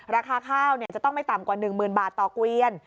ราคาข้าวจะต้องไม่ต่ำกว่า๑๐๐๐บาทต่อเกวียน